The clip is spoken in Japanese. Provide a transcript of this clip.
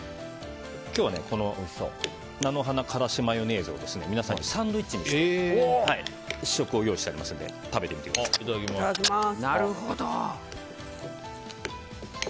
今日はこの菜の花からしマヨネーズを皆さんにサンドイッチにして試食を用意してありますのでいただきます！